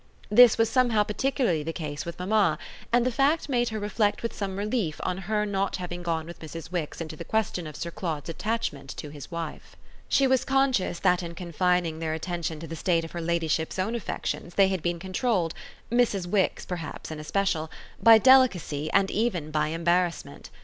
This was somehow particularly the case with mamma, and the fact made her reflect with some relief on her not having gone with Mrs. Wix into the question of Sir Claude's attachment to his wife. She was conscious that in confining their attention to the state of her ladyship's own affections they had been controlled Mrs. Wix perhaps in especial by delicacy and even by embarrassment.